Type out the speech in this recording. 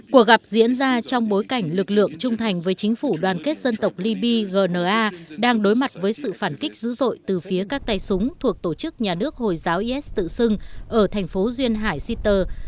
cuộc gặp diễn ra trong bối cảnh lực lượng trung thành với chính phủ đoàn kết dân tộc liby gna đang đối mặt với sự phản kích dữ dội từ phía các tay súng thuộc tổ chức nhà nước hồi giáo is tự xưng ở thành phố duyên hải shitter